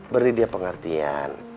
beri dia pengertian